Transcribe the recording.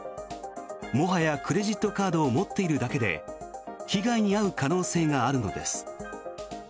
もはや、クレジットカードを持っているだけで被害に遭う可能性があるのです。